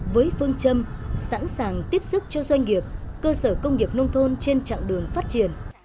với phương châm sẵn sàng tiếp sức cho doanh nghiệp cơ sở công nghiệp nông thôn trên chặng đường phát triển